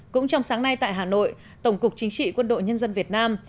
cũng trong sáng nay tại hà nội tổng cục chính trị quân đội nhân dân việt nam